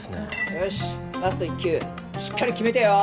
よしラスト１球しっかり決めてよ。